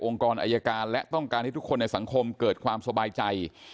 กรอายการและต้องการให้ทุกคนในสังคมเกิดความสบายใจ